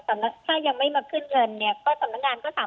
ถ้ายังไม่มาขึ้นเงินสำนักงานก็สามารถประวิงให้ได้